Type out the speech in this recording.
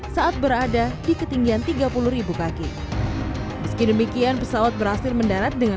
saat berada di ketinggian tiga puluh kaki meski demikian pesawat berhasil mendarat dengan